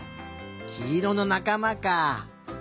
きいろのなかまか。